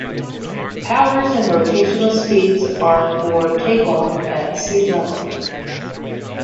Powers and rotational speeds are for take-off at sealevel.